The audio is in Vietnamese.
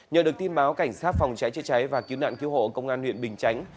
nhờ được tin báo cảnh sát phòng cháy chế cháy và cứu nạn cứu hộ công an huyện bình chánh